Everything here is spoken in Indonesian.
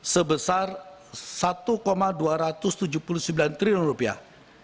sebesar satu dua ratus tujuh puluh sembilan triliun rupiah